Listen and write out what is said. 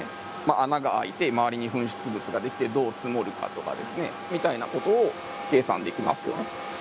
穴が開いて周りに噴出物ができてどう積もるかとかですねみたいなことを計算できますよ。